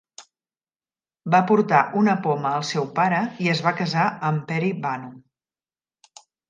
Va portar una poma al seu pare i es va casar amb Peri-Banu.